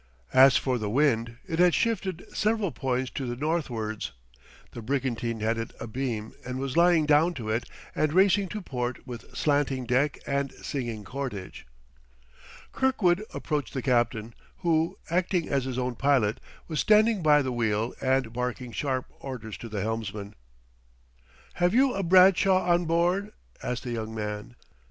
As for the wind, it had shifted several points to the northwards; the brigantine had it abeam and was lying down to it and racing to port with slanting deck and singing cordage. Kirkwood approached the captain, who, acting as his own pilot, was standing by the wheel and barking sharp orders to the helmsman. "Have you a Bradshaw on board?" asked the young man.